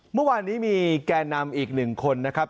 เมื่อวานนี้มีแก่นำอีก๑คนนะครับ